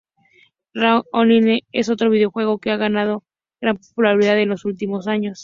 Ragnarok Online es otro videojuego que ha ganado gran popularidad en los últimos años.